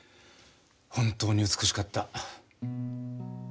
本当に美しかった。